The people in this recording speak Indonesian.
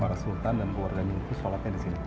keluarga sultan dan keluarga hindu sholatnya di sini